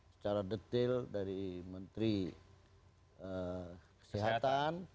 secara detail dari menteri kesehatan